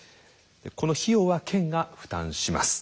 この費用は県が負担します。